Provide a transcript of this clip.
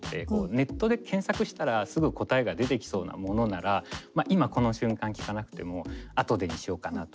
ネットで検索したらすぐ答えが出てきそうなものなら今この瞬間聞かなくても「あとで」にしようかなとか。